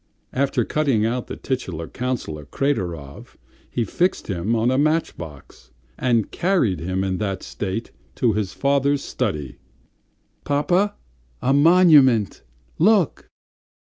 After cutting out the titular councillor Kraterov, he fixed him on a match box and carried him in that state to his father's study. "Papa, a monument, look!"